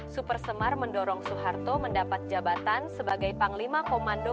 super semar mendorong soeharto mendapat jabatan sebagai panglima komando